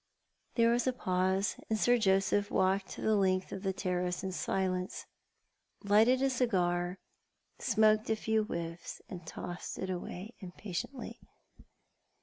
There was a pause, and Sir Joseph walked the length of the terrace in silence, lighted a cigar, smoked a few whiffs, and tossed it away impatiently.